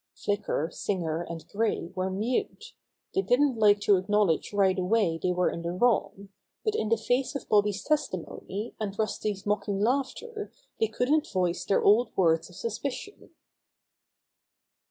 Flicker, Singer and Gray were mute. They didn't like to acknowledge right away they were in the wrong, but in the face of Bobby's testimony and Rusty's mocking laughter diey couldn't voice their old words of suspicion.